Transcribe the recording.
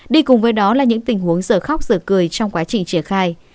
đi cùng với đó là những tình huống giở khóc giở cười trong quá trình triển khai